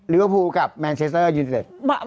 ลิเวอร์ฟูลกับแมนเซสเตอร์ยูนิเวส